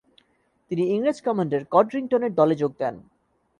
তিনি ইংরেজ কমান্ডার কডরিংটনের দলে যোগ দেন।